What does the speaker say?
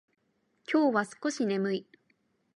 今日は少し眠い。